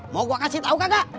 mau gue kasih tau gak